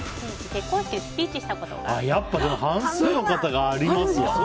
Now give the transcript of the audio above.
やっぱ半数の方がありますよ。